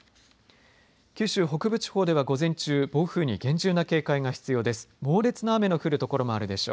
九州北部地方では午前中暴風に厳重な警戒が必要です。